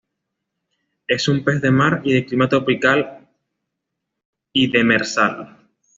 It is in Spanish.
Es un pez de mar y de Clima tropical y demersal.